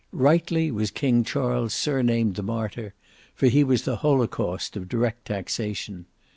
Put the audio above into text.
Rightly was King Charles surnamed the Martyr; for he was the holocaust of direct taxation.